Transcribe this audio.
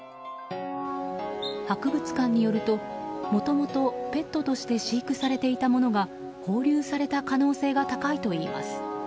博物館によるともともとペットとして飼育されていたものが放流された可能性が高いといいます。